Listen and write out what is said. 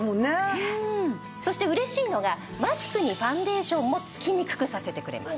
そしてうれしいのがマスクにファンデーションもつきにくくさせてくれます。